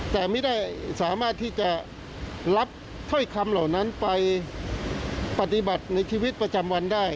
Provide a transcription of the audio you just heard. แต่ไม่ได้สามารถที่จะรับถ้อยคำเหล่านั้นไปปฏิบัติในชีวิตประจำวันได้